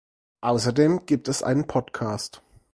Außerdem gibt es einen Podcast.